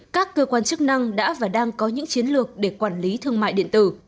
các cơ quan chức năng đã và đang có những chiến lược để quản lý thương mại điện tử